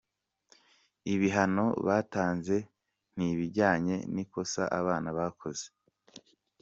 Ibihano batanze ntibijyanye n’ikosa abana bakoze.